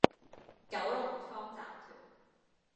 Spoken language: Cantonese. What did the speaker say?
九龍倉集團